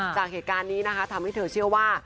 จากเหตุการณ์นี้นะคะทำให้เธอเชื่อว่า